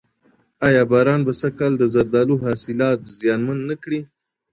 آیا باران به سږکال د زردالو حاصلات زیانمن نه کړي؟